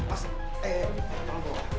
mas eh eh eh tolong gue